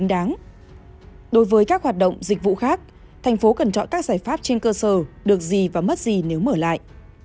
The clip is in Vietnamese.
đối với các hoạt động dịch vụ khác thành phố cần chọn các giải pháp trên cơ sở được gì và mất gì nếu mở lại